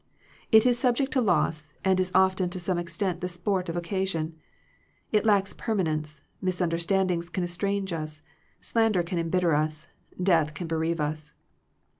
It is subject to loss, and is often to some extent the sport of occasion. It lacks permanence: misunderstandings can estrange us: slan der can embitter us: death can bereave us.